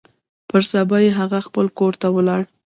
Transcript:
پر سبا يې هغه خپل کور ته ولاړ.